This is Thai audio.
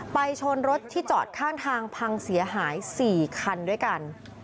ชนรถที่จอดข้างทางพังเสียหาย๔คันด้วยกัน